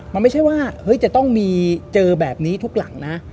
มันไม่ใช่ว่าจะต้องมีเจอแบบนี้ทุกหลังนะ